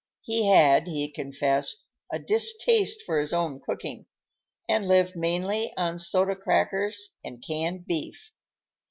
He had, he confessed, a distaste for his own cooking, and lived mainly on soda crackers and canned beef.